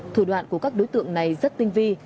thủ đoạn của các đối tượng này rất tinh vi